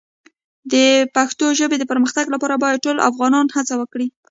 د پښتو ژبې د پرمختګ لپاره باید ټول افغانان هڅه وکړي.